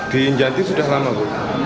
di injanti sudah lama bu